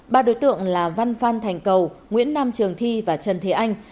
ba đối tượng là văn phan thành cầu nguyễn nam trường thi và trần thế anh